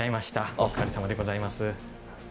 お疲れさまでございます。